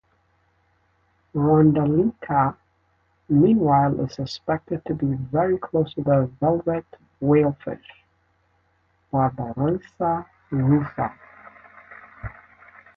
"Rondeletia", meanwhile, is suspected to be very close to the velvet whalefish, "Barbourisia rufa".